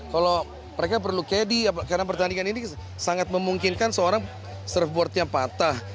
kalau mereka perlu kd karena pertandingan ini sangat memungkinkan seorang surfboardnya patah